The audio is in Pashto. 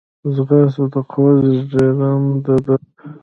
ځغاسته د قوت زیږنده ده